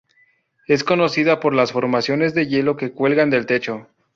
Es conocida por las formaciones de hielo que cuelgan del techo.